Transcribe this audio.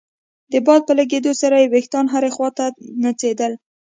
د باد په لګېدو سره يې ويښتان هرې خوا ته نڅېدل.